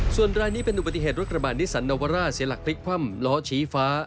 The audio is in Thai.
ส่วนรายนี้เป็นอุบัติเหตุรถกระบาดนิสันนวาร่าเสียหลักพลิกคว่ำล้อชี้ฟ้า